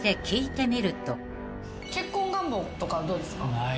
結婚願望とかはどうですか？